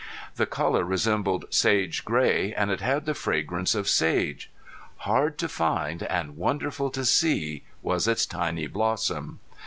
The color resembled sage gray and it had the fragrance of sage. Hard to find and wonderful to see was its tiny blossom!